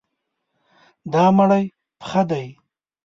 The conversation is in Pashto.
دا مړی پخه دی.